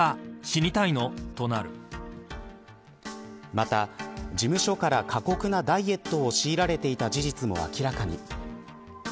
また事務所から過酷なダイエットを強いられていた事実も明らかに。